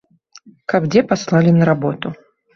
Каб дзе паслалі на работу.